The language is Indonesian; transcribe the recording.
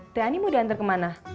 teh ani mau diantar kemana